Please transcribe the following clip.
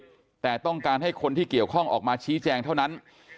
แต่ต้องการให้คนที่เกี่ยวข้องออกมาชี้แจงเท่านั้น